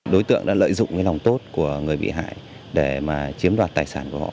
đối tượng đã lợi dụng lòng tốt của người bị hại để chiếm đoạt tài sản của họ